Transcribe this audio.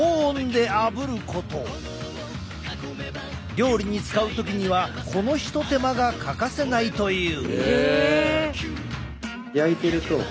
料理に使う時にはこのひと手間が欠かせないという。